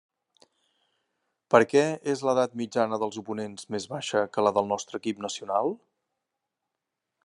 Per què és l'edat mitjana dels oponents més baixa que la del nostre equip nacional?